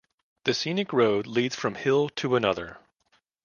The scenic road leads from hill to another.